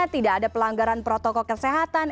tidak ada pelanggaran protokol kesehatan